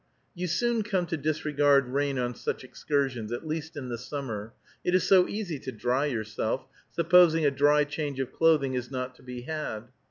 You soon come to disregard rain on such excursions, at least in the summer, it is so easy to dry yourself, supposing a dry change of clothing is not to be had.